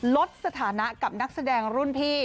ลดสถานะกับนักแสดงรุ่นพี่